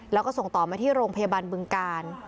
แล้วก็ส่งต่อมาที่โรงพยาบาลบึงกาล